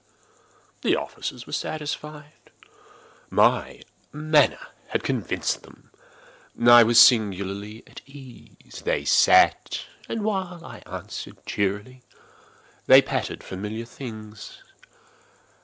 The officers were satisfied. My manner had convinced them. I was singularly at ease. They sat, and while I answered cheerily, they chatted of familiar things.